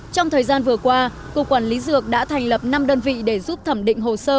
trong thời gian vừa qua cục quản lý dược đã thành lập năm đơn vị để giúp thẩm định hồ sơ